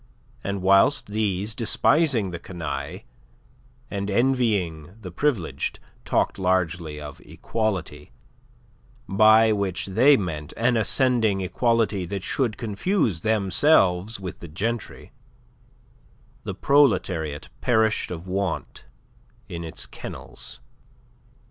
And whilst these, despising the canaille, and envying the privileged, talked largely of equality by which they meant an ascending equality that should confuse themselves with the gentry the proletariat perished of want in its kennels.